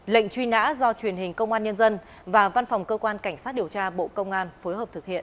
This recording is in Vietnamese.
lệnh truy nã do truyền hình công an nhân dân và văn phòng cơ quan cảnh sát điều tra bộ công an phối hợp thực hiện